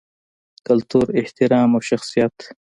کلتور، احترام او شخصیت